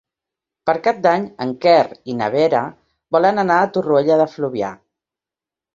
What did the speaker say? Per Cap d'Any en Quer i na Vera volen anar a Torroella de Fluvià.